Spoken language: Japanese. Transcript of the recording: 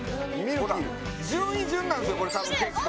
順位順なんですよこれ多分結構。